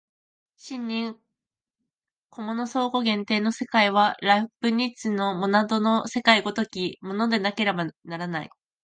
真に個物相互限定の世界は、ライプニッツのモナドの世界の如きものでなければならない。